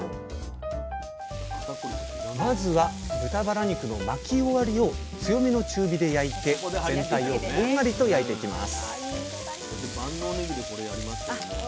まずは豚バラ肉の巻き終わりを強めの中火で焼いて全体をこんがりと焼いていきます